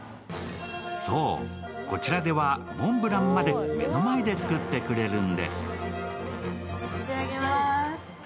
そう、こちらではモンブランまで目の前で作ってくれるんです。